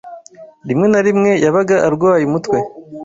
Rimwe na rimwe, yabaga arwaye umutwe.